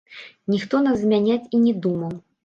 Ніхто нас змяняць і не думаў.